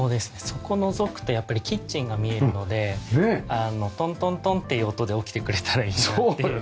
そこのぞくとやっぱりキッチンが見えるのでトントントンっていう音で起きてくれたらいいなっていう。